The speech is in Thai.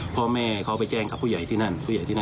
พ่อแม่เขาไปแจ้งกับผู้ใหญ่ที่นั่น